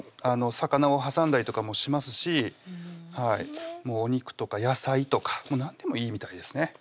魚を挟んだりとかもしますしもうお肉とか野菜とか何でもいいみたいですね